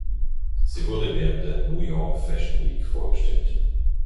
Sie wurde während der New York Fashion Week vorgestellt.